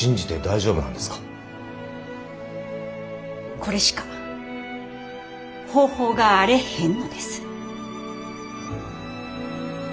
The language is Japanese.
これしか方法があれへんのです。